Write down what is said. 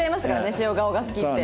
塩顔が好きって。